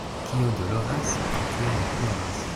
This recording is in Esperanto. Kio doloras, pri tio ni ploras.